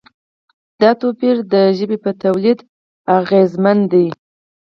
دا توپیر د ژبې په تولید اغېزمن دی.